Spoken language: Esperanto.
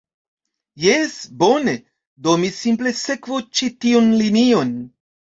Jes, bone. Do mi simple sekvu ĉi tiun linion